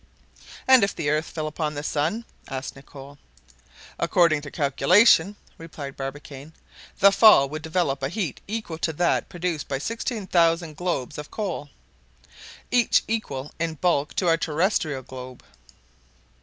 "And if the earth fell upon the sun?" asked Nicholl. "According to calculation," replied Barbicane, "the fall would develop a heat equal to that produced by 16,000 globes of coal, each equal in bulk to our terrestrial globe."